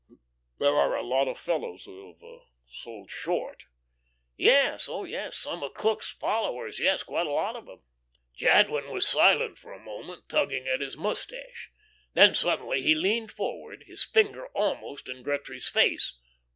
"There are a lot of fellows who have sold short?" "Oh, yes, some of Crookes' followers yes, quite a lot of them." Jadwin was silent a moment, tugging at his mustache. Then suddenly he leaned forward, his finger almost in Gretry's face.